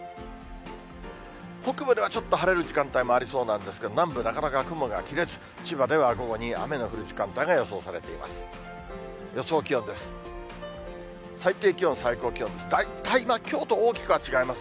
北部ではちょっと晴れる時間帯もありそうなんですけど、南部、なかなか雲が切れず、千葉では午後に雨の降る時間帯が予想されています。